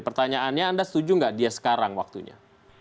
pertanyaannya anda setuju nggak dia sekarang waktunya